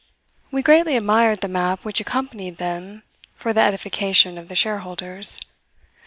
We greatly admired the map which accompanied them for the edification of the shareholders.